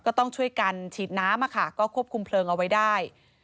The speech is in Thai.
ก็ต้องช่วยกันฉีดน้ำก็ควบคุมเพลิงเอาไว้ได้